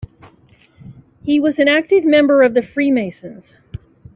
He was an active member of the Freemasons.